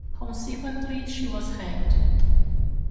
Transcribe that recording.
Consequently, she was hanged.